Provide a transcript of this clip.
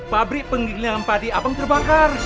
pabrik penggilingan padi abang terbakar